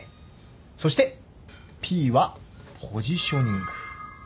そしてＰはポジショニング。